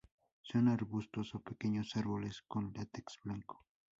Son arbustos o pequeños árboles con látex blanco.